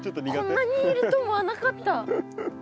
こんなにいると思わなかった。